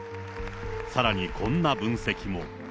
さらにこんな分析も。